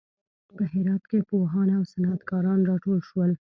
په هرات کې پوهان او صنعت کاران راټول شول.